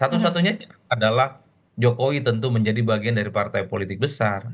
satu satunya adalah jokowi tentu menjadi bagian dari partai politik besar